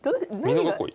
美濃囲い？